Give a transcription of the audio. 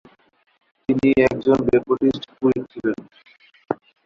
তিনি একজন ব্যাপটিস্ট পুরোহিত ছিলেন।